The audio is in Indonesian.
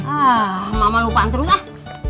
ah mama lupaan terus lah